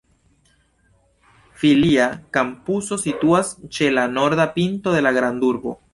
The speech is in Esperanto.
Filia kampuso situas ĉe la norda pinto de la grandurbo.